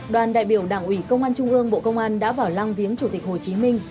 đoàn đại biểu đảng ủy công an trung ương bộ công an đã vào lăng viếng chủ tịch hồ chí minh